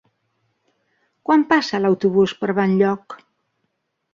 Quan passa l'autobús per Benlloc?